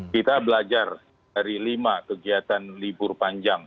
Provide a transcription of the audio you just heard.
kita belajar dari lima kegiatan libur panjang